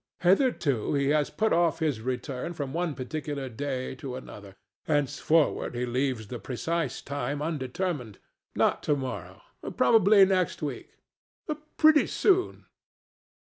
Hitherto he has put off' his return from one particular day to another; henceforward he leaves the precise time undetermined—not to morrow; probably next week; pretty soon.